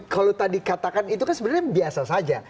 kalau tadi katakan itu kan sebenarnya biasa saja